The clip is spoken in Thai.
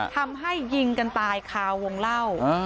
ทำให้ยิงกันตายขาววงเล่า